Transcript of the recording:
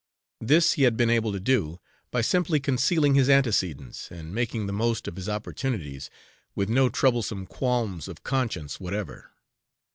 This he had been able to do by simply concealing his antecedents and making the most of his opportunities, with no troublesome qualms of conscience whatever.